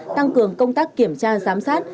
tăng cường công tác kiểm tra giám sát